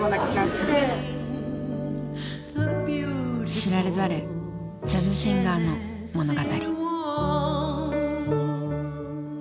知られざるジャズシンガーの物語。